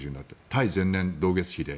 対前年同月比で。